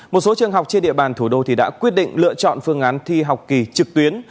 một số trường học trên địa bàn thủ đô thì đã quyết định lựa chọn phương án thi học kỳ trực tuyến